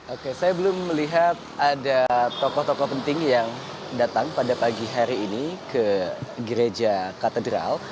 oke saya belum melihat ada tokoh tokoh penting yang datang pada pagi hari ini ke gereja katedral